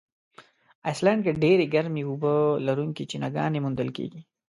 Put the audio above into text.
آیسلنډ کې ډېرې ګرمي اوبه لرونکي چینهګانې موندل کیږي.